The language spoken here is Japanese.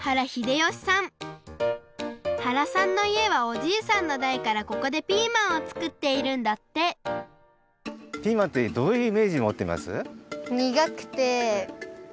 原さんのいえはおじいさんのだいからここでピーマンをつくっているんだってピーマンってどういうイメージもってます？